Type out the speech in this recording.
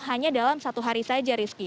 hanya dalam satu hari saja rizky